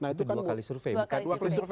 itu dua kali survei ya